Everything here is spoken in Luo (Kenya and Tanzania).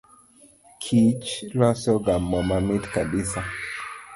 Kich losoga moo mamit kabisa.